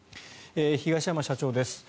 東山社長です。